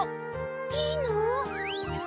いいの？